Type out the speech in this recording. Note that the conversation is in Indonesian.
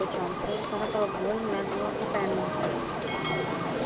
kamu tau belum nanti mau ikutin